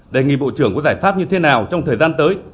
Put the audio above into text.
đề nghị bộ trưởng có giải pháp như thế nào trong thời gian tới